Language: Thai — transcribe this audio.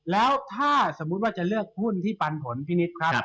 แล้วถ้าสมมุติว่าจะเลือกหุ้นที่ปันผลพี่นิดครับ